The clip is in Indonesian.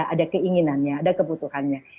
ada keinginannya ada kebutuhannya